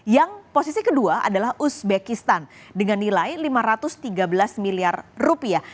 yang posisi kedua adalah uzbekistan dengan nilai lima ratus tiga belas miliar rupiah